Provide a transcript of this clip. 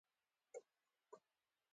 هغه وویل چې د دې سړي نوم بیپو دی.